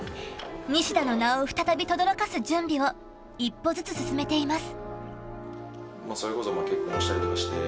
西田の名を、再び轟かす準備を一歩ずつ進めています。